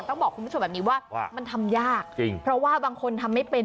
ต้องบอกคุณผู้ชมแบบนี้ว่ามันทำยากจริงเพราะว่าบางคนทำไม่เป็น